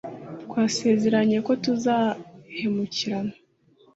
twasezeranye ko tutazahemukirana